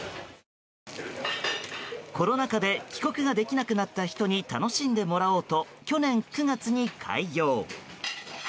コロナ禍で帰国ができなくなった人に楽しんでもらおうと去年９月に開業。